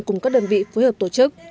cùng các đơn vị phối hợp tổ chức